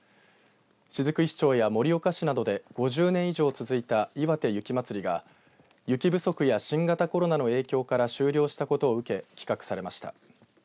雫石町や盛岡市などで５０年以上続いたいわて雪まつりが雪不足や新型コロナの影響から終了したことを受け企画されました。